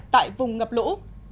tại vùng ngập lũ